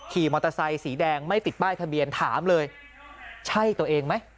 ขี่มอเตอร์ไซค์สีแดงไม่ติดป้ายทะเบียนถามเลยใช่ตัวเองไหม